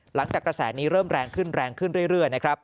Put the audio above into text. กระแสนี้เริ่มแรงขึ้นแรงขึ้นเรื่อยนะครับ